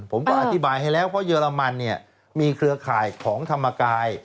ผมก็อธิบายให้แล้วเพราะเยอรมันเนี่ยมีเครือข่ายของธรรมกาย